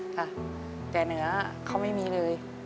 ค่ะแต่เหนือเขาไม่มีเลย